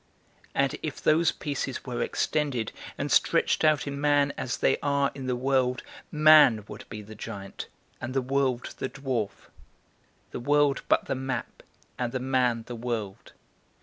And if those pieces were extended, and stretched out in man as they are in the world, man would be the giant, and the world the dwarf; the world but the map, and the man the world.